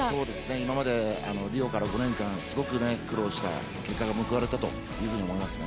今までリオから５年間すごく苦労した結果が報われたと思いますね。